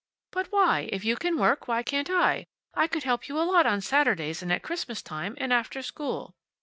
"But why? If you can work, why can't I? I could help you a lot on Saturdays and at Christmas time, and after school."